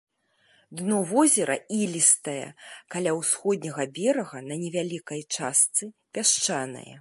Дно возера ілістае, каля ўсходняга берага на невялікай частцы пясчанае.